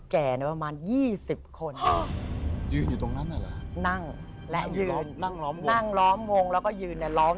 เตินเตินเติน